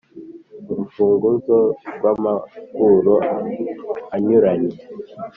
Urufunguzo rw’amaburo anyuranye,